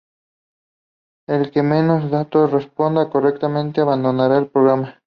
El que menos datos responda correctamente abandonará el programa.